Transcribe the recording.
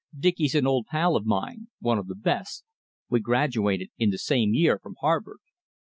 "Dicky's an old pal of mine one of the best. We graduated in the same year from Harvard."